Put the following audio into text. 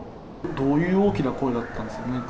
どういう大きな声だったんですか？